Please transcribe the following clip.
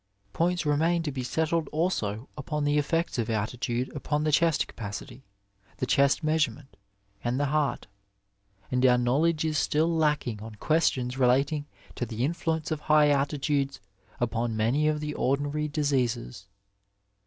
Points remain to be settled also upon the effects of altitude 115 Digitized by VjOOQIC THE ARMY SURGEON upon the chest capacity, the chest measurement, and the heart, and our knowledge is still lacking on questionB relating to the influence of high altitudes upon many of the ordinary diseases.